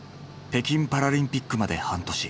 北京パラリンピックまで半年。